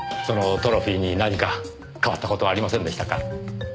そのトロフィーに何か変わった事はありませんでしたか？